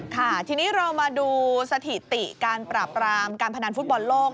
ค่ะทีนี้เรามาดูสถิติการปราบรามการพนันฟุตบอลโลก